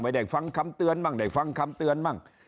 ได้ฟังคำเตือนมั่งได้ฟังคำเตือนมั่ง